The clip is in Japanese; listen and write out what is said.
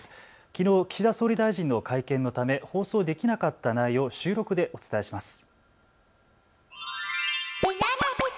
きのう岸田総理大臣の会見のため放送できなかった内容を収録でお伝えします。